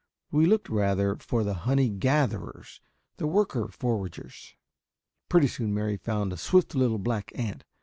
We looked rather for the honey gatherers, the worker foragers. Pretty soon Mary found a swift little black ant.